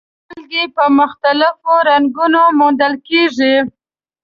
مالګې په مختلفو رنګونو موندل کیږي.